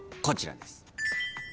こちらです。